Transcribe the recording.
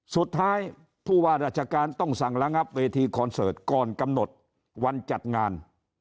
สุดท้ายผู้ว่าราชการต้องสั่งระงับเวทีคอนเสิร์ตก่อนกำหนดวันจัดงาน